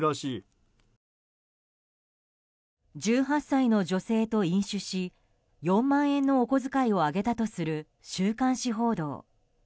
１８歳の女性と飲酒し４万円のお小遣いをあげたとする週刊誌報道。